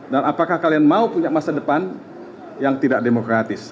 dan apakah kalian mau punya masa depan yang tidak demokratis